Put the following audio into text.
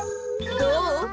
どう？